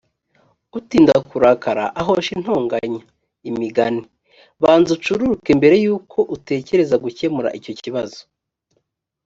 utinda kurakara ahosha intonganya imigani banza ucururuke mbere y uko utekereza gukemura icyo kibazo